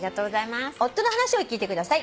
夫の話を聞いてください」